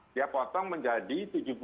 dia potong menjadi tujuh puluh